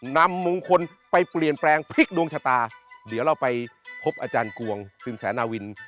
นำมงคลไปเปลี่ยนแปลงพลิกดวงชะตาเดี๋ยวเราไปพบอาจารย์กวงสินแสนาวิน